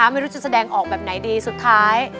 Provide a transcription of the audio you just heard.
ไม่รู้จะแสดงออกแบบไหนดีสุดท้าย